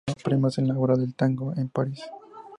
Ganó premios con la obra "El tango en París".